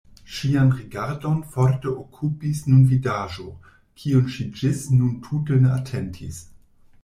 Ŝian rigardon forte okupis nun vidaĵo, kiun ŝi ĝis nun tute ne atentis.